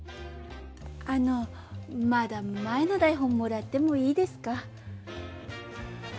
あのまだ前の台本もらってもいいですか？